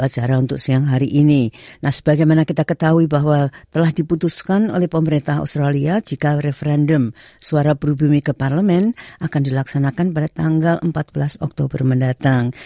jika referendum suara berubimi ke parlemen akan dilaksanakan pada tanggal empat belas oktober mendatang